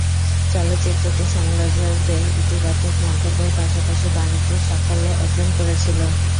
চলচ্চিত্রটি সমালোচকদের ইতিবাচক মন্তব্যের পাশাপাশি বাণিজ্যিক সাফল্য অর্জন করেছিল।